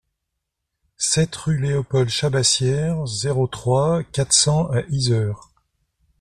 sept rue Léopold Chabassière, zéro trois, quatre cents à Yzeure